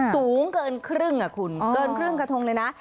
สูงเกินครึ่งคุณเกินครึ่งกระทงเลยนะ